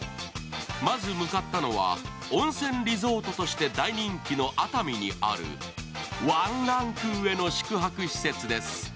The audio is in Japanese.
まず向かったのは温泉リゾートとして人気の熱海にあるワンランク上の宿泊施設です。